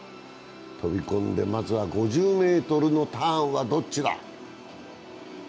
飛び込んで、まずは５０ｍのターンはどっちだ？